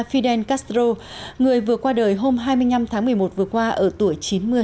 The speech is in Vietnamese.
fidel castro người vừa qua đời hôm hai mươi năm tháng một mươi một vừa qua ở tuổi chín mươi